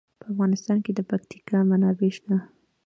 په افغانستان کې د پکتیکا منابع شته.